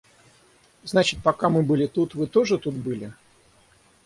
Значит, пока мы были тут, вы тоже тут были?